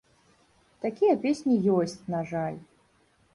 Такія песні ёсць, на жаль.